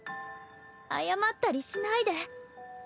謝ったりしないで。